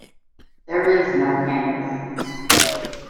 There is no canthus.